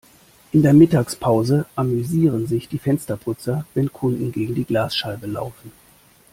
In der Mittagspause amüsieren sich die Fensterputzer, wenn Kunden gegen die Glasscheibe laufen.